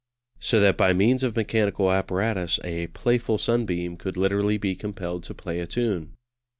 So that by means of mechanical apparatus a "playful sunbeam" could literally be compelled to play a tune.